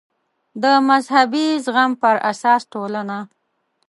د مذهبي زغم پر اساس ټولنه